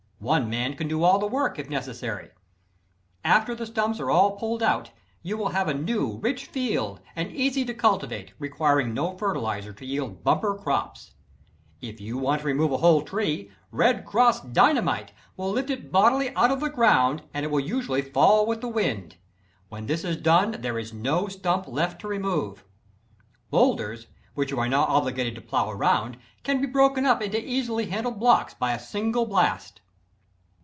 One man can do all the work, if necessary. After the stumps are all blasted out, you will have a new, rich field, and easy to cultivate, requiring no fertilizer to yield bumper crops. If you want to remove a whole tree, "Red Cross" Dynamite will lift it bodily out of the ground, and it will usually fall with the wind. When this is done, there is no stump left to remove. Boulders, which you are now obliged to plow around, can be broken up into easily handled blocks by a single blast.